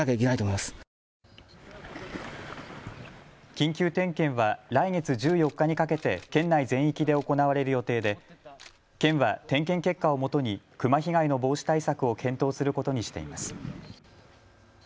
緊急点検は来月１４日にかけて県内全域で行われる予定で県は点検結果をもとにクマ被害の防止対策を検討することにしています。